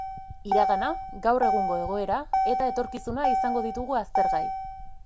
Iragana, gaur egungo egoera eta etorkizuna izango ditugu aztergai.